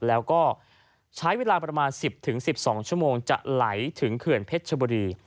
แล้วก็ใช้เวลาประมาณสิบถึงสิบสองชั่วโมงจะไหลถึงเขื่อนเพชรบุรี